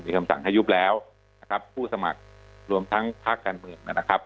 มีคำสั่งให้ยุบแล้วนะครับผู้สมัครรวมทั้งภาคการเมืองนะครับ